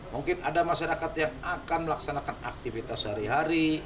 mungkin ada masyarakat yang akan melaksanakan aktivitas sehari hari